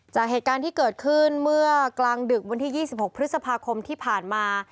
จากเหตุการณ์ที่เกิดขึ้นเมื่อกลางดึกวันที่๒๖พฤษภาคมที่ผ่านมา